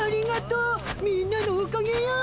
みんなのおかげよ。